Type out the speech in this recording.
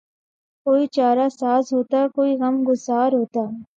کوئی چارہ ساز ہوتا کوئی غم گسار ہوتا